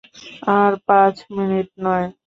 আর পাঁচ মিনিট নয়।